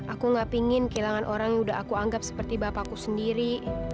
aku gak pingin kehilangan orang yang udah aku anggap seperti bapakku sendiri